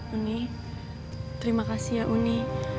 unik terima kasih ya uni